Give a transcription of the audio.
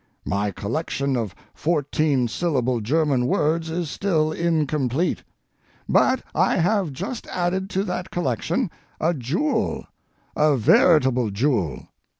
My collection of fourteen syllable German words is still incomplete. But I have just added to that collection a jewel—a veritable jewel.